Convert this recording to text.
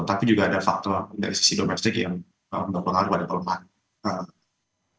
tapi juga ada faktor dari sisi domestik yang berpengaruh pada pelemahan